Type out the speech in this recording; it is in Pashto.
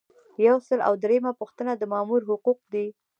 یو سل او دریمه پوښتنه د مامور حقوق دي.